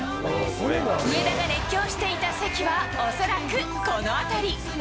上田が熱狂していた席は、恐らくこの辺り。